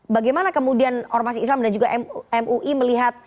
bagaimana kemudian ormas islam dan juga mui melihat